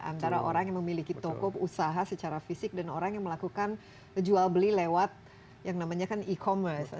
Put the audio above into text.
antara orang yang memiliki toko usaha secara fisik dan orang yang melakukan jual beli lewat yang namanya kan e commerce